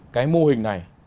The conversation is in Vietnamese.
cái mô hình này